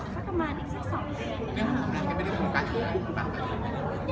สักแป๊คเยอะ